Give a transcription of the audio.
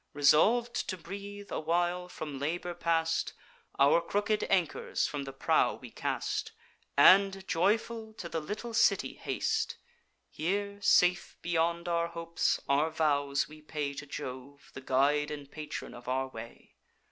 Resolv'd to breathe a while from labour past, Our crooked anchors from the prow we cast, And joyful to the little city haste. Here, safe beyond our hopes, our vows we pay To Jove, the guide and patron of our way.